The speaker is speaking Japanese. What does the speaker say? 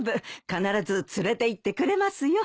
必ず連れていってくれますよ。